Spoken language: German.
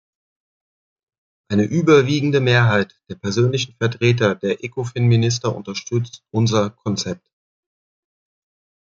Eine überwiegende Mehrheit der persönlichen Vertreter der Ecofin-Minister unterstützt unser Konzept.